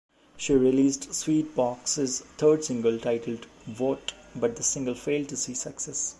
She released Sweetbox's third single titled "Wot", but the single failed to see success.